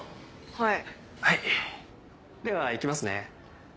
はい。